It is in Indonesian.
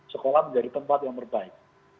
sekolah menjadi tempat yang terbaik